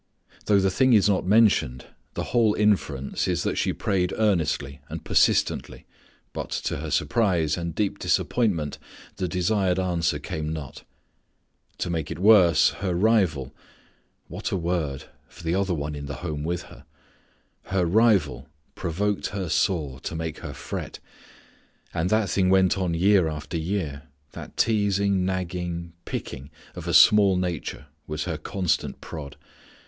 Though the thing is not mentioned the whole inference is that she prayed earnestly and persistently but to her surprise and deep disappointment the desired answer came not. To make it worse her rival what a word, for the other one in the home with her her rival provoked her sore to make her fret. And that thing went on year after year. That teasing, nagging, picking of a small nature was her constant prod.